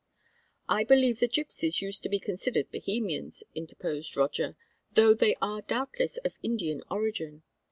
"I believe the gypsies used to be considered Bohemians," interposed Roger, "though they are doubtless of Indian origin.